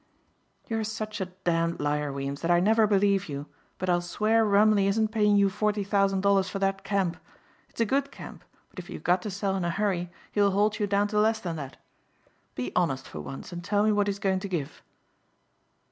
"You're such a damned liar, Weems, that I never believe you but I'll swear Rumleigh isn't paying you forty thousand dollars for that camp. It's a good camp but if you've got to sell in a hurry he'll hold you down to less than that. Be honest for once and tell me what he's going to give."